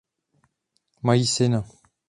Mají syna.